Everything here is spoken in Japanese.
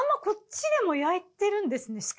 こっちでも焼いてるんですね。